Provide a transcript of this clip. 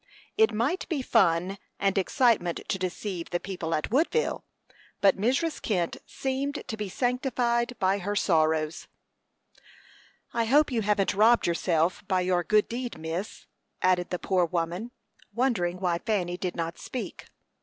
It might be fun and excitement to deceive the people at Woodville, but Mrs. Kent seemed to be sanctified by her sorrows. "I hope you haven't robbed yourself by your good deed, miss," added the poor woman, wondering why Fanny did not speak.